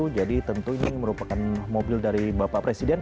jadi tentu ini merupakan mobil dari bapak presiden